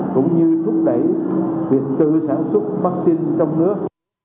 cũng như thúc đẩy việc tự sản xuất vaccine trong nước